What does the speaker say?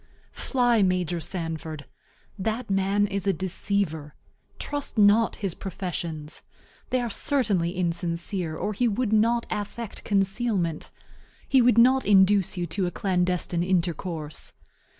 Fly Major Sanford. That man is a deceiver. Trust not his professions. They are certainly insincere, or he would not affect concealment; he would not induce you to a clandestine intercourse.